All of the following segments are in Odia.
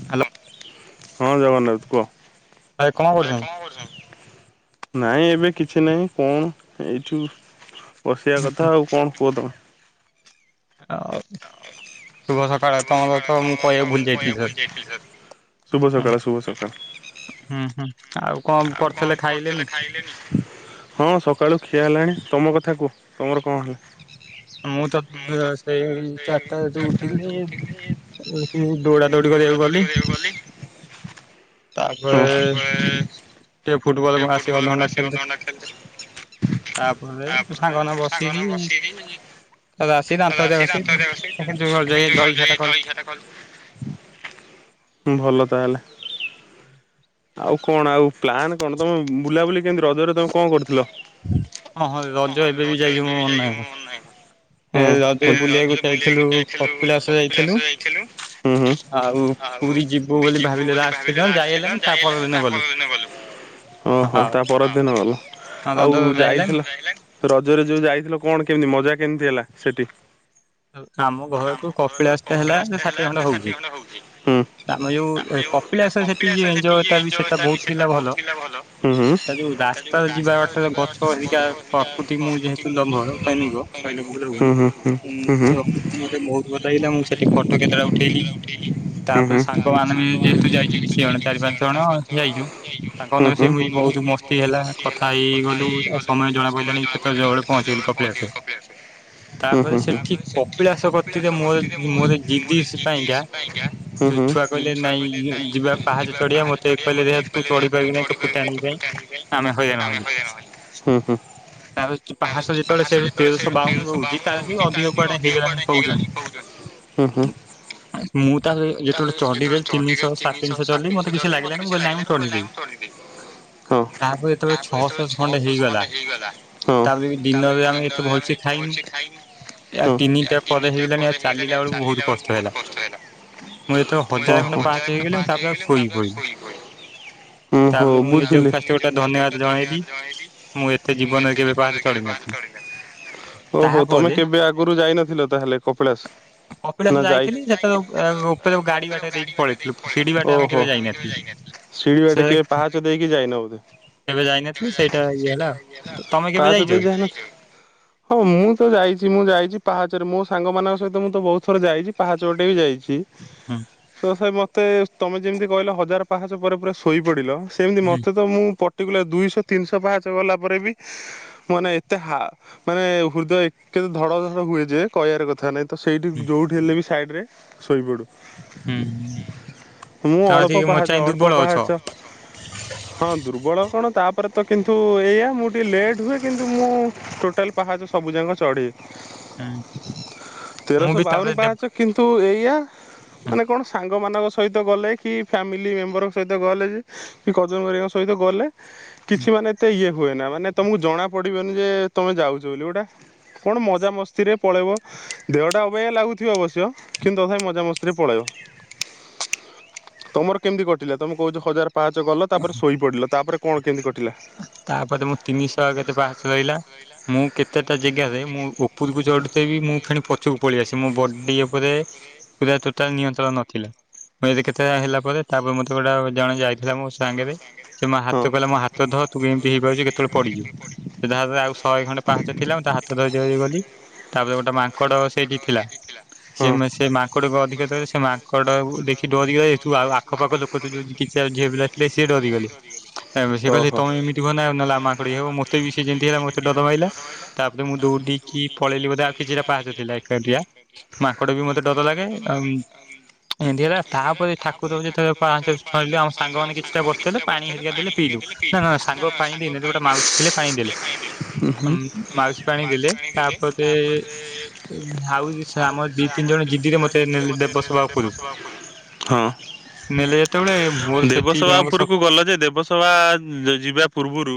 ହ୍ୟାଲୋ, ହଁ ଜଗନ୍ନାଥ କୁହ ନାଇଁ ଏବେ କିଛି ନାଇଁ କଣ ଏଇଠି ବସିବା କଥା ଆଉ କଣ କୁହ ତୁମେ, ଆଉ ଶୁଭ ସକାଳ ଶୁଭ ସକାଳ [unintelligible] କହିବାକୁ ଭୁଲି ଯାଇଥିଲି ସାର୍ ଶୁଭ ସକାଳ ହଁ ହୁଁ ଆଉ କଣ କରୁଥିଲେ ଖାଇଲେନି? ହଁ ସକାଳୁ ଖିଆ ହେଲାଣି ତୁମ କଥା କୁହ ତୁମର କଣ ହେଲା? ମୁଁ ତ ସେଇ ଚାରିଟାରେ ଯଉ ଉଠିଲି [unintelligible] ଦୌଡା ଦୌଡି କରିବାକୁ ଗଲି ତାପରେ ଟିକେ ଫୁଟବଲ ଆସି ଅଧଘଣ୍ଟା ଖେଳିଲି ତାପରେ ସାଙ୍ଗମାନେ ବସିକି ଆସିକି ଦାନ୍ତ ଯାହା ଘଷିଲି [unintelligible] [unintelligible] ଭଲ ତାହେଲେ ଆଉ କଣ ଆଉ ପ୍ଲାନ କଣ ତମେ ବୁଲାବୁଲି କେମତି ରଜରେ ତମେ କଣ କରୁଥିଲ? ହଁ ରଜ ଏବେ ବି ଯାଇକି ମୋର ମନେ ନାହିଁ। ହୁଁ ରଜରେ ବୁଲିବାକୁ ଯାଇଥିଲୁ କପିଳାସ ଯାଇଥିଲୁ ହୁଁ ହୁଁ ଆଉ ପୁରୀ ଯିବୁ ବୋଲି ଭାବିଥିଲୁ ଆଉ ସେଦିନ ଯାଇ ହେଲା ନି ତା ପର ଦିନ ଗଲୁ ଓହୋ ତା ପର ଦିନ ଗଲା ଆଉ ଯାଇଥିଲ [unintelligible] ରଜରେ ଯୋଉ ଯାଇଥିଲ କଣ କେମିତି ମଜା କେମିତି ହେଲା ସେଠି ଆମ ଘର ତୁ କପିଳାଟେ ହେଲା ଷାଠିଏ କିଲୋ ମିଟର ହଉଛି। ଆମେ ଯୋଉ କପିଳାସର ସେଠି ଏନଜୟ ସେଇଟା ବହୁତ। ଭଲ ତା ଯୋଉ ରାସ୍ତା ଯିବା ବାଟ ବୋଧେ ଅଧିକା [unintelligible] ମୋତେ ବହୁତ ଭଲ ଲାଗିଲା ମୁଁ ସେଠି ଫଟୋ କେତେଟା ଉଠେଇଲି। ତାପରେ ସାଙ୍ଗ ମାନେ ବି ଯେହେତୁ ଯାଇଛୁ କିଛି ଜଣ ଚାରି ପାଞ୍ଚ ଜଣ ଯାଇଛୁ। ତାଙ୍କ ମାନଙ୍କ ସହିତ ବି ବହୁତ ମସ୍ତି ହେଲା କଥା ହେଇ ହେଇଗଲୁ ସମୟ ଜଣା ପଡ଼ିଲାଣି କେତେ ବେଳେ ପହଞ୍ଚିଗଲିୁ କପି ପହଞ୍ଚିଗଲୁ କପିଳାସ ତାପରେ ସେ ଠିକ କପିଳାସ ଗତିରେ ମୋର ମୋର ଜିଦ୍ଦି ପାଇଁକା ଛୁଆ କହିଲେ ନାଇଁ ଯିବା ପାହାଚ ଚଢିବା ମୋତେ କହିଲେ ଦେଖିଆ ତୁ ଚଢି ପାରି। ତୋ ଫୁଟାଣି ପାଇଁ ଆମେ ହଇରାନ ହେଇ ତା ପାହାଚ ଯେତେବେଳେ ସେଠୁ ତେରଶହ ବାଉନ ରହୁଛି ତାର ବି ଅଧିକ। କୁଆଡେ ହେଇଗଲାଣି କହୁଛନ୍ତି। ମୁଁ ତା ଯେତେବେଳେ ଚଢିଦେଲି ତିନିଶହ ସାତତିନିଶହ ଚଢିଲି ମତେ କିଛି ଲାଗିଲାନି ମୁଁ କହିଲି ନାଇଁ ମୁଁ ଚଢିବି [inaudible] ହଁ ହଁ ଖାଇକି ଆ ତିନିଟା ପରେ ହେଇଗଲାଣି ଚାଲିଲା ବେଳକୁ ବହୁତ କଷ୍ଟ ହେଲା। ମୁଁ ଯେତେବେଳେ ହଜାର ଖଣ୍ଡେ ପାହାଚ ହେଇଗଲି ମୁ ତାପରେ ଆଉ ସୋଇ ପଡିଲି। ତାପରେ ମୁଁ ନିଜକୁ ଫାଷ୍ଟ ଗୋଟେ ଧନ୍ୟବାଦ ଜଣେଇଲି ମୁଁ ଏତେ ଜୀବନରେ କେବେ କାହାାତ ଚଢ ନଥିଲି। ଓହୋ ତମେ କେବେ ଆଗରୁ ଯାଇନଥିଲ ତାହେଲେ କପିଳାସ? କପିଳା ଯାଇଥିଲି ସେତେଳେ ଉପରେ ଗାଡି ବାଟ ଦେଇକି ପଳେଇଥିଲୁ ସିଡି ବାଟେ ଆମେ କେବେ ଯାଇନଥିଲୁ। ଶିିଡିବାଟେ କେବେ ପାହାଚ ଦେଇକି ଯାଇନ ବୋଧେ। ପାହାଚ଼ ଦେଇ ଯାଇନଥିଲ। ହଁ ମୁଁ ତ ଯାଇଚି ମୁଁ ଯାଇଚି ପାହାଚରେ ମୋ ସାଙ୍ଗମାନଙ୍କ ସହିତ ମୁଁ ତ ବହୁତ ଥର ଯାଇଛି ପାହାଚ ବାଟେ ବି ଯାଇଛି। କି ହଁ। ମୋତେ ତମେ ଯେମିତି କହିଲ ହଜାର ପାହାଚ଼ ଉପରେ ପୁରା ଶୋଇ ପଡ଼ିଲ ସେମିତି ମତେ ତ ମୁଁ ପଟିକୁଲାର ଦୁଇଶହ ତିନିଶହ ପାହାଚ଼ ଗଲା ପରେ ବି ମାନେ ଏତେ ହା ମାନେ ହୃଦୟ ଧଡ ଧଡ ହୁଏ ଯେ କହିବାର କଥା ନାଇଁ। ସେଇଠି ଯୋଉଠି ହେଲେ ବି ସାଇଟ୍ ରେ ଶୋଇପଡ଼ୁ। ମୁଁ ଅଳପ ପାହାଚ ଅଳ୍ପ ପାହାଚ [inaudible] ହଁ ଦୁର୍ବଳ କଣ ତାପରେ ତ କିନ୍ତୁ ଏଇଆ ମୁଁ ଟିକିଏ ଲେଟ୍ ହୁଏ କିନ୍ତୁ ମୁଁ ଟୋଟାଲ ପାହାଚ ସବୁ ଯାକ ଚଢେ। ମୁଁ ବି ତାପରେ ଦେ କିନ୍ତୁ ଏଇ ଆ ମାନେ କଣ ସାଙ୍ଗମାନଙ୍କ ସହିତ ଗଲେ କି ଫ୍ୟାମିଲି ମେମ୍ବରଙ୍କ ସହିତ ଗଲେ ଯେ କି କଜନ ହେରିକାଙ୍କ ସହିତ ଗଲେ କିଛି ମାନେ ଏତେ ଇଏ ହୁଏ ନା ମାନେ ତମକୁ ଜଣା ପଡିବନି ଯେ ତମେ ଯାଉଚ ବୋଲି ଗୋଟା କଣ ମଜା ମସ୍ତିରେ ପଳେଇବ ଦେହଟା ଅବାଗିଆ ଲାଗୁଥିବ ଅବଶ୍ୟ। କିନ୍ତୁ ତଥାପି ମଜାମସ୍ତିରେ ପଳେଇବ। ତମର କେମିତି କଟିଲା ତମେ କହୁଚ଼ ହଜାର ପାହାଚ ଗଲ ତାପରେ ଶୋଇପଡିଲ ତାପରେ କଣ କେମିତି କଟିଲା? ତାପରେ ମୁଁ ତିନିଶହ କେତେ ପାହାଡ଼ ରହିଲା। ମୁଁ କେତେଟା ଜେଗାରେ ମୁଁ ଉପରକୁ ଚଢୁଥିବି ମୁଁ ଫେଣ୍ ପଛକୁ ପଳେଇ ଆସେ ମୁଁ ବଡି ଉପରେ ପୁରା ଟୋଟାଲ୍ ନିୟନ୍ତ୍ରଣ ନଥିଲା ପୁଣି କେତେଟା ହେଲା ପରେ ତାପରେ ମୋତେ ଗୋଟେ ଜଣେ ଯାଇଥିଲା ମୋ ସାଙ୍ଗରେ ସେ ମୋ ହାତ କହିଲା ମୋ ହାତ ଧଅ ତୁ ଏମିତି ହେଇପାରୁଛୁ କେତେବେଳେ ପଡିଯିବୁ ଯାହା ଆଉ ଶହେ ଖଣ୍ଡେ ପାହାଚ ଥିଲା ମୁଁ ତା ହାତ ଧରି ଧରି ଗଲି ତାପରେ ଗୋଟେ ମାଙ୍କଡ ସେଇଠି ଥିଲା ସେ ସେ ମାଙ୍କଡକୁ ଅଧିକ ଦେଲେ ସେ କଡ଼ ବାବୁ ଦେଖି ଡରିଗଲେ ଆଉ ଆଖପାଖ ଲୋକ ତ ଯୋଉ ଟିକି ଝିଅ ପିଲା ସେ ସିଏ ଡରିଗଲେ ସେ କହିଲେ ତମେ ଏମିତି ହୁଅନା ନହଲେ ମାଙ୍କଡ ଇଏ ହବ, ମୋତେ ବି ସେ ଏମତି ହେଲେ ମତେ ଡର ମାଇଲା। ତାପରେ ମୁଁ ଦୌଡ଼ି କି [inaudible] ଏମିତି ହେଲା ତାପରେ ଠାକୁର ଯେତେବେଳେ ପାହାଚ଼ରେ ଚଢିଲେ ଆମ ସାଙ୍ଗମାନେ କି ଚୁପ୍ ଚାପ୍ ବସିଥିଲେ ପାଣି ହେରିକା ଦେଲେ ପିଇଲୁ ନା ନା ସାଙ୍ଗ ପାଇଁ ଦେଇନାହାନ୍ତି, ଗୋଟେ ମାଉସୀ ଥିଲେ ପାଣି ଦେଲେ ମାଉସ୍‌ ପାଣି ଦେଲେ ତାପରେଆଉ ଆମର ଦି ତିନି ଜଣ ଜିଦିରେ ମତେ ନେଲେ ଦେବ ସବା ହଁ। ନେଲେ ଯେତେବେଳେ ମୋର ସେଠ ଦେବସଭା ଉପରକୁ ଗଲ ଯେ ଦେବସଭା ଯିବା ପୂର୍ବରୁ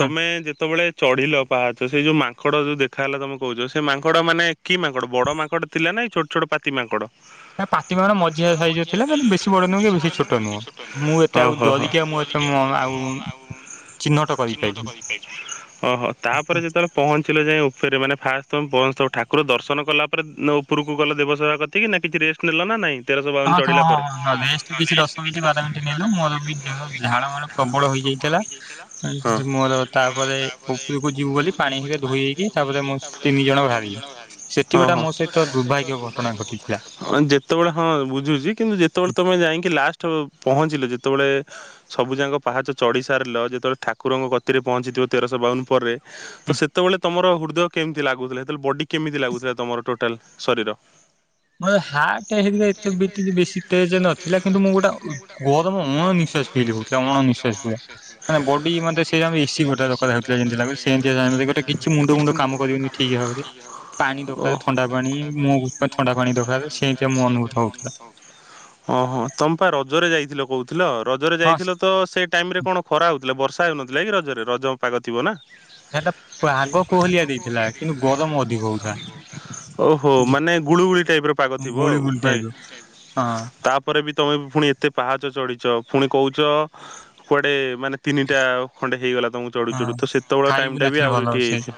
ତମେ ଯେତେବେଳେ ଚଢିଲ ପାହାଚ ସେଇ ଯୋଉ ମାଙ୍କଡ ଯୋଉ ଦେଖ ଥା, ହେଲେ ତମେ କହୁଛ, ସେ ମାଙ୍କଡ ମାନେ, କି ମାଙ୍କଡ! ବଡ ମାଙ୍କଡ ଥିଲେନା, ଏଇ ଛୋଟ ଛୋଟ ପାତି ମାଙ୍କଡ? ଓହୋ, ହ ହ। ଓହୋ, ତାପରେ ଯେତେବେଳେ ପହଞ୍ଚିଲେ ଯାଇ ଓପ୍ ଫେରେ ମାନେ ଫାଷ୍ଟ ତମ ପହଞ୍ଚଥବ, ଠାକୁର ଦର୍ଶନ କଲା ପରେ ଉପରକୁ ଗଲ ଦେବସେବା କତିକି ନା କିଛି ରେଷ୍ଟ ନେଲ ନାଇଁ? ତେରଶହ ବାଉନ ଚଢିଲା ପରେ ହଁ। ଯିବୁ ବୋଲି ପାଣିରେ ଧୋଇ ହେଇକି ତାପରେ ମୁଁ ତିନି ଜଣ ବାହାରିଲୁ, ସେଠି ଗୋଟେ ମୋ ସହିତ ଦୁର୍ଭାଗ୍ୟ ଘଟଣା ଘଟି ହଁ, ଯେତେବେଳେ ହଁ ବୁଝୁଛି, କିନ୍ତୁ ଯେତେବେଳେ ତମେ ଯାଇଁ କି ଲାଷ୍ଟ ପହଞ୍ଚିଲ ଯେତ୍ ତବେଳେ, ସବୁଯାକ ପାହାଚ ଚଢ଼ି ସାରିଲ, ଯେତେବେଳେ ଠାକୁରଙ୍କ ଗତିରେ ପହଞ୍ଚିଥିବ, ତେରଶହ ବାଉନ ପରେ ତ ସେତେବେଳେ ତମର, ହୃଦୟ କେମିତି ଲାଗୁଥିଲା? ସେତେବେଳେ ବଡି କେମିତି ଲାଗୁଥିଲା, ତମର ଟୋଟାଲ ଶରୀର? ମୋର ହାର୍ଟା ହେଇଥିଲେ, ଏତେ ବିଟ୍ ବେଶୀ ତେଜ ନଥିଲା। କିନ୍ତୁ ମୁଁ ଗୋଟା ଉ ଗରମ! ଅଣ ନିଶ୍ୱାସ ଫିଲ୍ ହଉଥିଲା। ଅଣ ନିଃଶ୍ୱାସୀ ପୁରା। ମାନେ ବଡି ମତେ ସେଆ ଏସିି ଗୋଟେ ଦରକାର ହେଉ ଯେଁତି ଲାଗୁଛି, ସେଁତିଆ ଟାଇମ୍ ରେ ଗୋଟେ କିଛି ମୁଣ୍ଡକୁ ମୁଣ୍ଡ କାମ କରିବନି ଠିକ୍ ଭାବରେ। ପାଣି ଦକାର ଥଣ୍ଡା ପାଣି, ମୁହଁକୁ ମାନେ ଥଣ୍ଡା ପାଣି ଦକାରେ, ସେଏଁ ତିଆ ମୁଁ ଅନୁଭୂତ ହଉଥିଲା। ଓହୋ, ତମପା ରଜରେ ଯାଇଥିଲ କହୁଥିଲ। ରଜରେ ଯାଇଥିଲ ତ, ସେ ଟାଇମ୍ ରେ କଣ ଖରା ହଉଥିଲା। ବର୍ଷା ହେଉନଥିଲା କି ରଜରେ? ରଜ ପାଗ ଥିବ ନା! ହେଟା ଓହୋ। ମାନେ ଗୁଳୁଗୁଳି ଟାଇପ୍ ର ପାଗ ଥିବ ଆଉ, ନାଇଁ। ହଁ। ତା'ପରେ ବି, ତମେ ପୁଣି ଏତେ ପାହାଚ ଚଢିଛ। ପୁଣି କହୁଛ, କୁଆଡେ, ମାନେ ତିନିଟା ଖଣ୍ଡେ ହେଇଗଲା, ତମକୁ ଚଢୁ ଚଢୁ। ତ ସେତେବେଳେ ଟାଇମ୍ ଟା ବି, ଆହୁରି ଟିଆଇଥିଅ।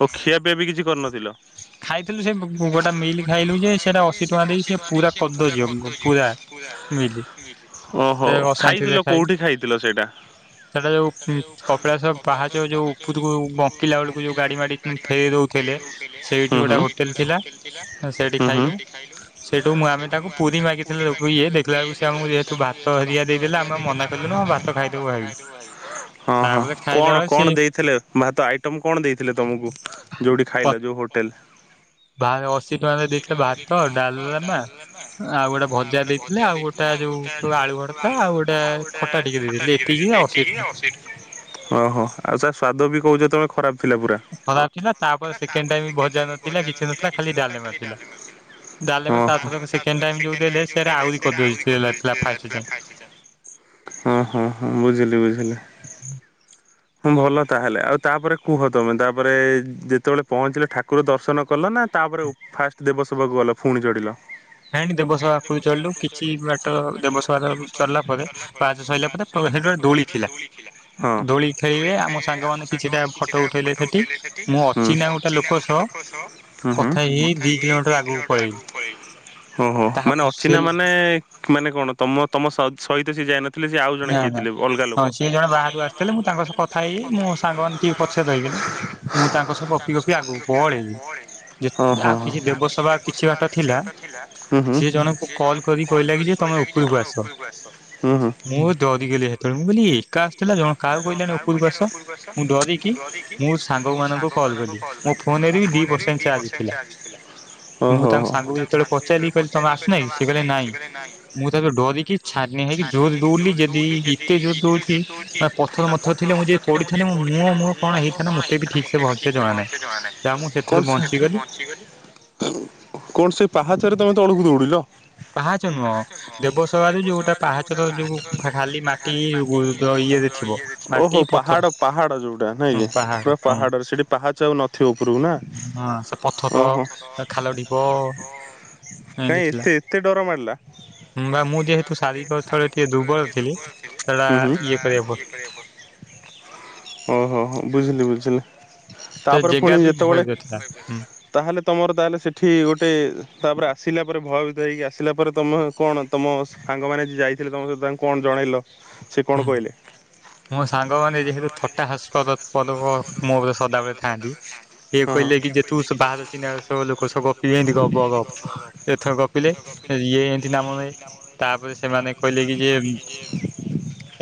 ଓ ଖିଆ ପିଆ ବି କିଛି କରିନଥିଲ। ଖାଇଥିଲୁ। ସେ ଗୋଟା ମିଲ୍ ଖାଇଲୁ ଯେ, ସେଟା ଅଶୀ ଟଙ୍କା ଦେଇକି, ସେ ପୁରା କଦଯ୍ୟ ପୁରା। ଓହୋ! ଖାଇଥିଲ କୋଉଠି ଖାଇଥିଲ ସେଇଟା? ସେଟା ଯୋଉ-ଉଁ କପିଳାଶ ପାହାଚ, ଯୋଉ କୁତୁ କୁ ବଙ୍କିଲା ବେଳକୁ, ଯୋଉ ଗାଡି ମାଡି ଫେରେଇ ଦଉଥିଲେ ହୁଁ, ହୁଁ, ହୁଁ, ହୁଁ। ପୁରୀ ମାଗିଥିଲୁ ତାକୁ ଇଏ, ଦେଖିଲାବେଳକୁ ସେ ଆମକୁ ହେଠୁ ଭାତ ହେରିକା ଦେଇଥିଲା। ଆମେ ମନା କଲୁନୁ, ଆ ଭାତ ଖାଇଦବୁ ଭାଇ। ହଁ, ହଁ। କଣ କଣ ଦେଇଥିଲେ, ଭାତ ଆଇ ଟମ୍ କଣ ଦେଇଥିଲେ, ତମକୁ? ଯୋଉଠି ଖାଇଲ, ଯୋଉ ହୋଟେଲ୍। ଭା, ଅଶୀ ଟଙ୍କାରେ ଦେଇଥିଲେ ଭାତ, ଡାଲମା ଆଉ ଗୋଟେ, ଭଜା ଦେଇଥିଲେ, ଆଉ ଗୋଟେ ଯୋଉ ଆଳୁ ଭର୍ତା, ଆଉ ଗୋଟେ ଖଟା ଟିକେ ଦେଇଦେଇଥିଲେ। ଏତିକି ଆଉ। ସେଇଠୁ ଓହୋ! ଆଉ, ତା ସ୍ଵାଦ ବି କହୁଛ, ତମେ ଖରାପ ଥିଲା ପୁରା। ଖରାପ ଥିଲା। ତା'ପରେ ସେକେଣ୍ଡ ଟାଇମି, ଭଜା ନଥିଲା, କିଛି ନଥିଲା, ଖାଲି ଡାଲମା ଥିଲା। ଡାଲମା ତା'ପରେ ସେକେଣ୍ଡ ଟାଇମ୍ ଯଉ ଦେଲେ, ସେରା ଆଉରି କଦର୍ଯ୍ୟ ଥିଲା, ଫାର୍ଷ୍ଟ ଟାଇମ୍ ରୁ। ଓହ! ହଁ, ହଁ ବୁଝିଲି ବୁଝିଲି, ହଁ ଭଲ ତା ହେଲେ, ଆଉ ତା'ପରେ କୁହ ତୁମେ, ତା ପରେ ଯେତେବେଳେ ପହଞ୍ଚିଲେ, ଠାକୁର ଦର୍ଶନ କଲ, ନା ତା'ପରେ, ଉପ୍ ଫାଷ୍ଟ ଦେବସଭାକୁ ଗଲ ଫୁଣି ଚଢିଲ। ହେଇଣି ଦେବସଭାକୁ ଚଳଲୁ। କିଛି ବାଟ ଦେବସଭାର ଚଢ଼ିଲା ପରେ, ପାହାଚ ସଇଲା ପରେ। ହଁ! ଦୋଳି ଖେଳିଲେ। ଆମ ସାଙ୍ଗମାନେ କିଛିଟା ଫଟ ଉଠେଇଲେ ସେଠି। ମୁଁ ଅଚିହ୍ନା ଗୋଟେ ଲୋକ ସହ କଥା ହେଇ ହେଇ ଦି କିଲୋମିଟର ଆଗକୁ ଓହୋ! ମାନେ ଅଚିହ୍ନା ନା ମାନେ, ମାନେ କଣ? ତମ ତମ ସ-ସହିତ ସିଏ ଯାଇନ ଥିଲେ ସେ, ଆଉ ଜଣେ କିଏ ଥିଲେ? ଅଲଗା ଲୋକ। ହେଲେ ମୁଁ ତାଙ୍କ ସହ କଥା ହେଇ, ମୋ ସାଙ୍ଗମାନେ ଟିକେ ପଛରେ ରହିଗଲେ। ମୁଁ ତାଙ୍କ ସହ ଗପି ଗପି ଆଗକୁ ପଳେଇଲି। ଯେ, ଆଉ କିଛି ଦେବସବା କିଛି ବାଟ ଥିଲା। ସେ ଜଣଙ୍କୁ କଲ୍ କରି କହିଲା, କିି ଯେ ତମେ ଉ କି ତମେ ଉପୁ୍ରୁକୁ ଆସ ହୁଁ ହୁଁ। ମୁଁ ଡରି ଗଲି ହେତଳେ ମୁଁ କଲି ଏକା ସ ଥିଲା। ଜ କାହାକୁ କହିଲାନି ଉପୁରୁକୁ ଆସ ମୁଁ ଡରିକି ମୋ ସାଙ୍ଗ ମାନଙ୍କୁ କଲ୍ କଲି ମୋପୁ ଫୋନରେ ବି ଦିଇ ପସେଣ୍ଟ ଚାର୍ଜ ଥିଲା। ମୁଁ ତାଙ୍କ ସାଙ୍ଗକୁ ଯେତେବେଳେ ପଚାରିଲି, କହିଲେ ତମେ ଆସୁନା କି। ସେ କହିଲେ ନାଇଁ। ମୁଁ ତାପରେ ଡରିକି ଛାନିଆ ହେଇକି, ଯୋରେ ଦୌଡିଲି। ଯଦି ଏତେ ଯୋରେ ଦୌଡ଼ି ଚି ଆ ପଥର ମଥର ଥିଲେ। ମୁଁ ଯଦି ପଡିଥାନ୍ତି ମୋ ମୁହଁ ମୁହଁ କଣ ହେଇଥାନ୍ତା। ମୋତେ ବି ଠିକ୍ ସେ ଭଲ ସେ ଜଣା ନାହିଁ। କଣ ସେ କଣ ସେ ପାହାଚରେ ତମେ ତଳକୁ ଦୌଡିଲ? ପାହାଚ ନୁହଁ। ଦେବସଭା ରୁ ଯୋଉ ଗୋଟା ପାହାଚର ଯୋଉଫା ଖାଲି ମାଟି ଗୋ ଯ ଇଏ। [unintelligible] ଓହୋ ପାହାଡ ପାହାଡ ଯୋଉଟା ନୁହେଁ, କି ପୁରା ପାହାଡରେ ସେଠି ପାହାଚ ଆଉ ନ ଠି ଉପୁରୁକୁ ନାଁ? ଆ ସେ ପଥର ଖାଲଢିପ ଏନ୍ତି। ନାଇଁ ଏତେ ଏତେ ଡର ମାଡିଲା। କିମ୍ବା ମୁଁ ଯେହେତୁ ଶାରୀିକ ହେତଳେ ଟିକେ ଦୁର୍ବଳ ଥିଲି ହୁଁ ହୁଁ ସେତଳା କରିବାକୁ ପଡୁଚି ଓ ହୋ ହୋ ବୁଝିଲି ବୁଝିଲି। ତାପରେ ଫୁଣି ଯେତବେଳେ ତାହେଲେ ତମର ତାହେଲେ ସେଠି ଗୋଟେ ତାପରେ ଆସିଲା ପରେ ଭୟ ଭିତ ହେଇକି ଆସିଲା ପରେ ତମେ କଣ ତମ ସାଙ୍ଗମାନେ ଯିଏ ଯାଇଥିଲେ ତମ ସହିତ ତାଙ୍କୁ କଣ ଜଣେଇଲ ସେ କଣ କହିଲେ? ମୋ ସାଙ୍ଗମାନେ ଯେହେତୁ ଥଟା ହସପଦ ପଦକ ମୋ ଉପରେ ସଦାବେଳେ ଥାଆନ୍ତି ସିଏ କହିଲେ କି ଯେଥୁ ବାହାର ଚିହ୍ନା ଲୋକ ସହ ଗପୁ ଯେଏନ୍ତି ଗପ ଗପ ଏଥର ଗ ଏଥ ଗପିଲେ ଇଏ ଏନ୍ତି ନାମନେଇଚି ତାପରେ ସେମାନେ କହିଲେ କିି ଯେ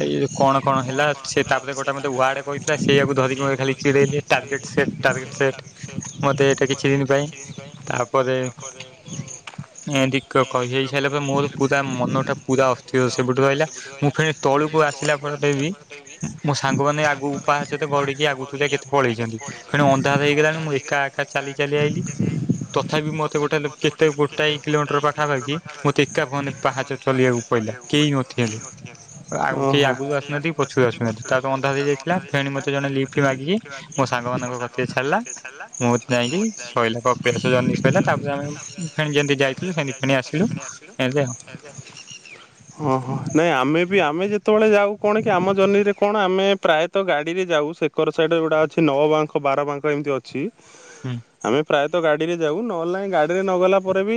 ଏଇ କଣ କଣ ହେଲା ସେ ତାପରେ ଗୋଟେ ମତେ ୱାଡେ କହିଥିଲା ସେଇଆାକୁ ଧରିକି ମୋତେ ଖାଲି ଚିଡେଇଲେ। ଟାର୍ଗେଟ ସେଟ୍ ଟର୍ଗେଟ ସେଟ୍ ମତେ ଏଠି କିଛି ଦିନି ପାଇଁ ତାପରେ ଏନ୍ତି କହି ହେଇ ସାରିଲା ପରେ ମୋର ପୁରା ମନ ଟା ପୁରା ଅସ୍ଥିର ସେପଟୁ କହିଲା ମୁଁ ଫେଣି ତଳକୁ ଆସ ଆସିଲା ପରଟେ ବି ମୋ ସାଙ୍ଗମାନେ ଆଗୁକୁ ପାହାଚତ ଗଡିକି ଆଗୁତୁରା କେତେ ପଳେଇଛନ୍ତି ଫଣି ଅନ୍ଧାର ହେଇଗଲାଣି ମୁଁ ଏକା ଏକା ଚାଲି ଚାଲି ଆଇଲି। ତଥାପି ମତେ ଗୋଟେ କେତେ ଗୋଟାଏ କିଲୋମିଟର ପାଖାପାଖି ମତେ ଏକା ଫନେ ପାହାଚ ଚଲିବାକୁ ପଇଲା କେଇ ନଥିଲେ। ଆ କେହି ଆଗକୁ ଆସୁନାହା କି ପଛକୁ ଆସୁହାନ୍ତି। ତା ଅନ୍ଧାର ହେଇ ଯାଇଥିଲା ଫେଣି ମୋତେ ଜଣ ଲିପ୍ଟ୍ ମାଗିକି ମୋ ସାଙ୍ଗ ମାନଙ୍କ କତିରେ ଛାଡିଲା। ମୁଁତ ଯାଇକି ଶଇିଲା ପେସ ଜନି ସଇଲା ତାପରେ ଆମେ ଫେଣି ଯେମିତି ଯାଇଥିଲୁ ସେମିତି ଫେଣି ଆସିଲୁ। [unintelligible] ହଁ ହଁ ନାଇଁ ଆମେ ବି ଆମେ ଯେ ସେତେବେଳେ ଯାଉ କଣ କି ଆମ ଜର୍ଣ୍ନିରେ କଣ ଆମେ ପ୍ରାୟତଃ ଗାଡ଼ିରେ ଯାଉ ସେକର ସାଇଡ଼ ଯଉଡା ଅଛି ନ ବାଙ୍କ ବାର ବାଙ୍କ ଏମିତି ଅଛି, ଆମେ ପ୍ରାୟତ ଗାଡିରେ ଗାଡ଼ିରେ ଯାଉ ନହେଲେ ନାଇଁ ଗାଡ଼ିରେ ନ ଗଲା ପରେ ବି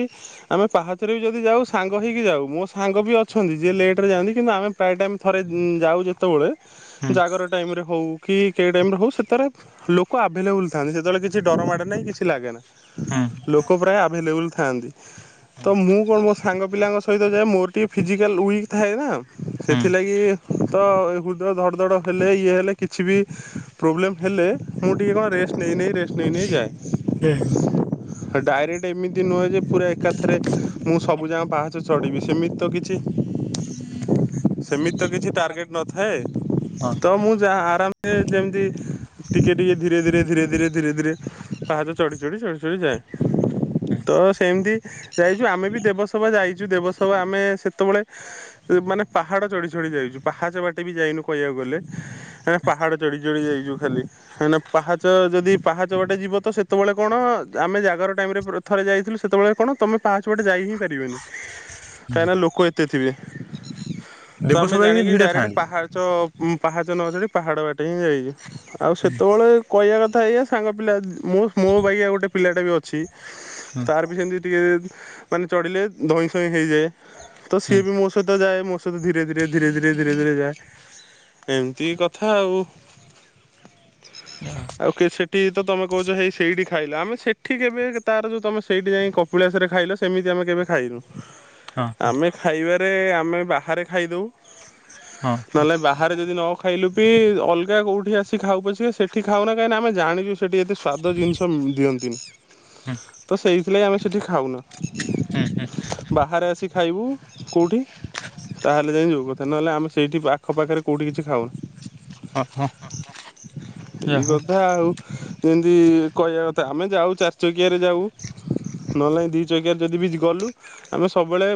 ଆମେ ପାହାଚରେ ବି ଯଦି ଯାଉ ସାଙ୍ଗ ହେଇକି ଯାଉ, ମୋ ସାଙ୍ଗ ବି ଅଛନ୍ତି ଯିଏ ଲେଟ୍ ଯାଆନ୍ତି କିନ୍ତୁ ଆମେ ପ୍ରାୟ ଟାଇମ୍ ଥରେ ଯାଉ ଯେତବେଳେ, ଜାଗର ଟାଇମ୍ ରେ ହେଉ କି କେ ଟାଇମ୍ ହେଉ ସେତରେ ଲୋକ ଆଭେଲେବୁଲ ଥାନ୍ତି ସେତେବେଳେ କିଛି ଡର ମାଡେ ନାହିଁ କିଛି ଲାଗେ ନାଁ। ଲୋକ ପ୍ରାୟ ଆଭେଲେବୁଲ ଥାଆନ୍ତି, ତ ମୁଁ କଣ ମୋ ସାଙ୍ଗ ପିଲାଙ୍କ ସ ସହିତ ଯାଏ ମୋର ଟିକେ ଫିଜିକାଲ ୱିକ୍ ଥାଏ ନା? କି ତ ହୃଦୟ ଧଡ଼ ଧଡ଼ ହେଲେ ଇଏ ହେଲେ କିଛି ବି ପ୍ରୋବ୍ଲେମ ହେଲେ ମୁଁ ଟିକେ କଣ ରେଷ୍ଟ ନେଇ ନେଇ ରେଷ୍ଟ ନେଇ ନେଇ ଯାଏ। ଡାଇରେକ୍ଟ ଏମିତି ନୁହେଁ ଯେ ପୁରା ଏକାଥରେ ମୁଁ ସବୁ ଯାକ ପାହାଛ ଚଢିବି, ସେମିତି ତ କିଛି [unintelligible] ସେମିତି ତ କିଛି ଟାର୍ଗେଟ୍ ନଥାଏ ତ ମୁଁ ଯାହା ଆରାମରେ ଯେମିତି ଟିକି ଟିକି ଧୀରେ ଧୀରେ ଧୀରେ ଧୀରେ ଧୀରେ ଧୀରେ ପାହାଚ ଚ଼ି ଚଢ଼ି ଚ଼ି ଚଢ଼ି ଯାଏ। ତ ସେମିତି। ଯାଇଛୁ ଆମେ ବି ଦେବସଭା ଯାଇଛୁ। ଦେବସଭା ଆମେ ସେତେବେଳେ ମାନେ ପା ପାହାଡ଼ ଚଢ଼ି ଚଢ଼ି ଯାଇଛୁ ପାହାଚ ବାଟେ ବି ଯାଇନୁ କହିବାକୁ ଗଲେ ହେ ପାହାଡ଼ ଚଢ଼ି ଚଢ଼ି ଯାଇଛୁ ଖାଲି। କାଁକିନା ପାହାଚ ଯଦି ପାହାଚ ବାଟେ ଯିବ ତ ସେତେବେଳେ କଣ ଆମେ ଜାଗାର ଟାଇମ୍ରେ ଥରେ ଯାଇଥିଲୁ ସେତେବେଳେ କଣ ତମେ ପାଞ୍ଚପଟେ ଯାଇ ହିଁ ପାରିବନି କାହିଁକି ନା ଲୋକ ଏତେ ଥିବେ। ତ ଆମେ ଜାଣିକି ଡାଇରେକ୍ଟ ପାହାଚ ପାହାଚ ନଛଢି ପାହାଡ଼ ବାଟେ ହିଁ ଯାଇଛୁ। ଆଉ ସେତେବେଳେ କହିବା କଥା ଏଇା ସାଙ୍ଗ ପିଲା। ମୁଁ ମୋ ବାଗିଆ ଗୋଟେ ପିଲାଟା ବି ଅଛି। ତାର ପି ସେମିତି ଟିକେ ମାନେ ଚଢିଲେ ଧଇଁ ସଇଁ ହେଇଯାଏ। ତ ସିଏ ବି ମୋ ସହିତ ଯାଏ ମୋ ସହିତ ଧୀରେ ଧୀରେ ଧୀରେ ଧୀରେ ଧୀରେ ଧୀରେ ଯାଏ। ଏମ୍ତି କଥା ଆଉ। ଆଉ କିଏ ସେଠି ତମେ କହୁଛ ହେଇ ସେଇଠି ଖାଇଲ। ଆମେ ସେଠି କେବେ ତା ତାର ଯେଉଁ ତୁମେ ସେଇଠି ଯାଇ କପିଳାସରେ ଖାଇଲ ସେମିତି ଆମେ କେବେ ଖାଇନୁ। [inaudible] ଆମେ ଖାଇବାରେ ଆମେ ବାହାରେ ଖାଇଦଉ ନହେଲେ ବାହାରେ ଯଦି ନ ଖାଇଲୁ ବିି ଅଲଗା କୋଉଠି ଆସି ଖାଉ ପଛେ ସେଠି ଖାଉନା କାଁକିନା ଆମେ ଜାଣିଛୁ ସ ସେଠି ଏତେ ସ୍ଵାଦ ଜିନିଷ ଦିଅନ୍ତିନି ତ ସେଇଥିଲାଗି ଆମେ ସେଠି ଖାଉନୁ। ହୁଁ ହୁଁ ବାହାରେ ଆସି ଖାଇବୁ କୋଉଠି? ତାହେଲେ ଯାଇ ଯଉ କଥା ନହେଲେ ଆମେ ସେଇଠି ଆଖପାଖରେ କୋଉଠି କିଛି ଖାଉନୁ। ଏଇ କଥା ଆଉ। ଯେମିତି କହିବା କଥା ଆମେ ଯାଉ ଚାରିଚକିଆରେ ଯାଉ। ନହେଲେ ନାଇ ଦି ଚକିଆାରେ ଯଦି ବି ଗଲୁ ଆମେ ସବୁବେଳେ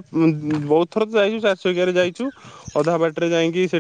ବହୁତ ଥର ତ ଯାଇଛୁ ଚାରି ଚକିଆରେ ଯାଇଚୁ ଅଧା ବାଟରେ ଯାଇଁକି ସେ